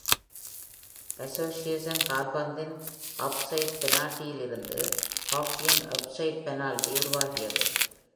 Association கால்பந்தின் offside பெனால்டியிலிருந்து, ஹாக்கியின் ஆஃப்சைட் பெனால்டி உருவாகியது.